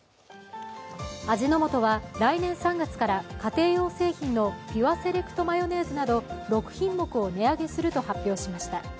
味の素は来年３月から家庭用製品のピュアセレクトマヨネーズなど６品目を値上げすると発表しました。